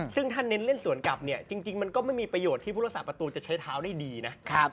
ซึ่งถ้าเน้นเล่นสวนกลับเนี่ยจริงมันก็ไม่มีประโยชน์ที่ผู้รักษาประตูจะใช้เท้าได้ดีนะ